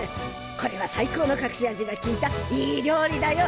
これは最高のかくし味がきいたいい料理だよ。